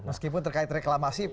meskipun terkait reklamasi